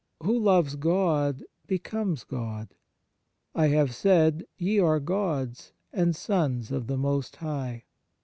Who loves God becomes God : I have said ye are gods and sons of the Most High.